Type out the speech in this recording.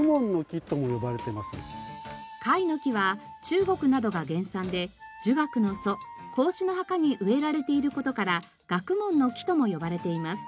カイノキは中国などが原産で儒学の祖孔子の墓に植えられている事から学問の木とも呼ばれています。